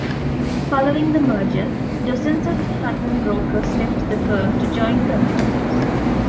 Following the merger, dozens of Hutton brokers left the firm to join competitors.